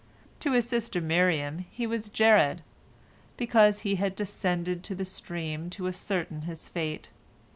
To his sister Miriam he was Jered, because she had "descended" to the stream to ascertain his fate.